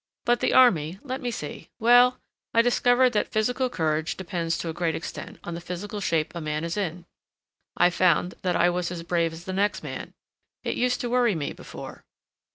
"But the army—let me see—well, I discovered that physical courage depends to a great extent on the physical shape a man is in. I found that I was as brave as the next man—it used to worry me before."